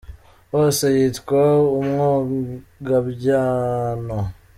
Hose yitwa umwogabyano.